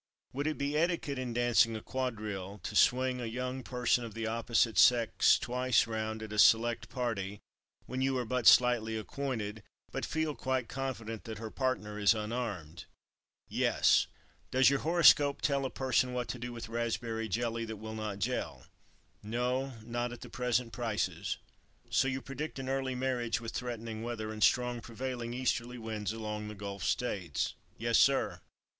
"Would it be etiquette in dancing a quadrille to swing a young person of the opposite sex twice round at a select party when you are but slightly acquainted, but feel quite confident that her partner is unarmed?" "Yes." "Does your horoscope tell a person what to do with raspberry jelly that will not jell?" "No, not at the present prices." "So you predict an early marriage, with threatening weather and strong prevailing easterly winds along the Gulf States?" "Yes, sir."